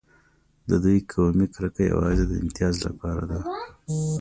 د دوی قومي کرکه یوازې د امتیاز لپاره ده.